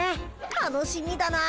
楽しみだなあ。